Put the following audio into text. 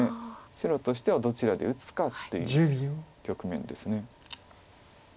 白としてはどちらで打つかという局面です。